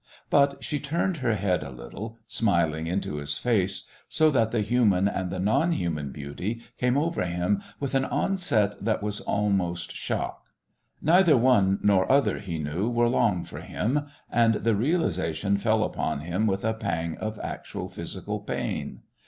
But she turned her head a little, smiling into his face, so that the human and the non human beauty came over him with an onset that was almost shock. Neither one nor other, he knew, were long for him, and the realisation fell upon him with a pang of actual physical pain.